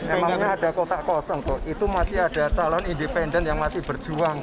emangnya ada kotak kosong kok itu masih ada calon independen yang masih berjuang